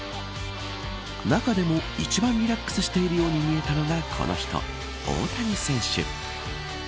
中でも、一番リラックスしているように見えたのがこの人大谷選手。